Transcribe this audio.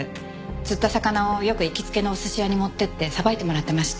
釣った魚をよく行きつけのお寿司屋に持っていってさばいてもらってました。